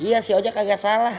iya si ojak kagak salah